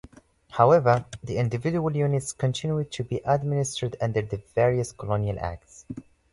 However, the individual units continued to be administered under the various colonial Acts.